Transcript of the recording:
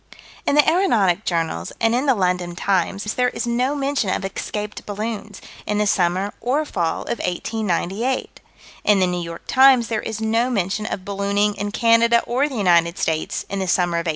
In the aeronautic journals and in the London Times there is no mention of escaped balloons, in the summer or fall of 1898. In the New York Times there is no mention of ballooning in Canada or the United States, in the summer of 1898.